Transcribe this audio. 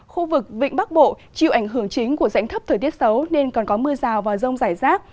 khu vực vịnh bắc bộ chịu ảnh hưởng chính của rãnh thấp thời tiết xấu nên còn có mưa rào vào rông dài rác